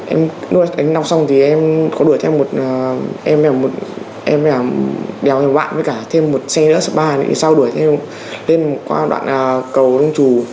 em đuổi đánh nọc xong thì em có đuổi thêm một em đèo thêm bạn với cả thêm một xe nữa spa sau đuổi thêm lên qua đoạn cầu đông trù